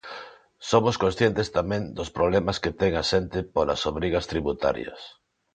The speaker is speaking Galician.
Somos conscientes tamén dos problemas que ten a xente polas obrigas tributarias.